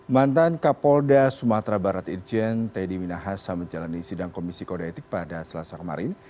mantan kapolda sumatera barat irjen teddy minahasa menjalani sidang komisi kode etik pada selasa kemarin